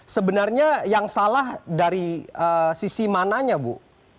sebenarnya yang salah dari sisi mananya bu